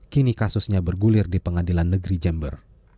kini kasusnya bergulir di pengadilan negeri jember